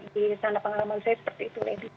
di sana pengalaman saya seperti itu lady